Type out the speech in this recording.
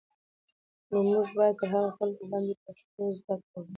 نو موږ بايد پر هغو خلکو باندې پښتو زده کول